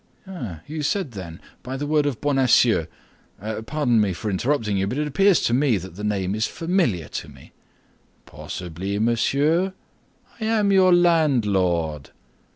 "You said, then, by the word of Bonacieux. Pardon me for interrupting you, but it appears to me that that name is familiar to me." "Possibly, monsieur. I am your landlord."